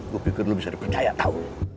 gua pikir lu bisa dipercaya tau